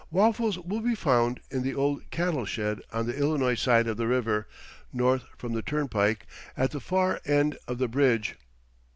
Waffles will be found in the old cattle shed on the Illinois side of the river, north from the turnpike at the far end of the bridge.